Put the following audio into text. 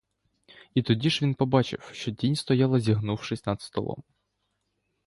І тоді ж він побачив, що тінь стояла, зігнувшись над столом.